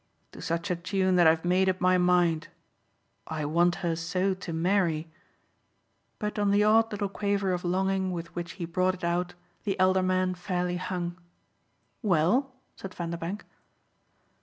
"To such a tune that I've made up my mind. I want her so to marry !" But on the odd little quaver of longing with which he brought it out the elder man fairly hung. "Well?" said Vanderbank.